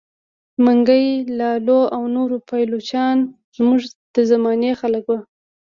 منګی لالو او نور پایلوچان زموږ د زمانې خلک وه.